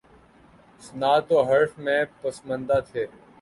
صنعت و حرفت میں پسماندہ تھے